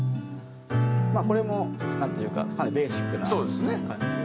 まあこれもなんというかかなりベーシックな感じで。